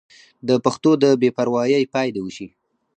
د پښتو د بې پروايۍ پای دې وشي.